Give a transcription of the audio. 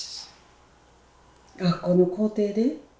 学校の校庭で？